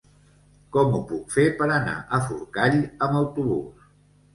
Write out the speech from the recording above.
Com ho puc fer per anar a Forcall amb autobús?